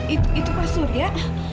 itu itu pas surya